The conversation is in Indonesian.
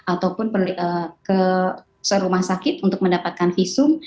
ataupun ke rumah sakit untuk mendapatkan visum